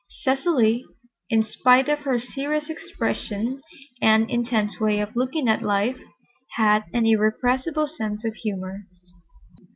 Cecily, in spite of her serious expression and intense way of looking at life, had an irrepressible sense of humor.